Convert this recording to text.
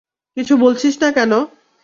কিছু বলছিস না কেন!